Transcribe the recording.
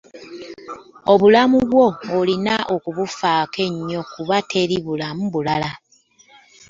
Obulamu bwo olina okufaako ennyo kuba teri bulamu bulala.